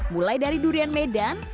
mulai dari durian medan